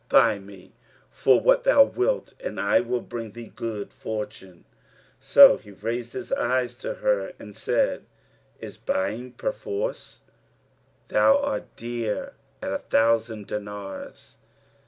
Buy me for what thou wilt and I will bring thee good fortune." So he raised his eyes to her and said, "Is buying perforce? Thou art dear at a thousand dinars."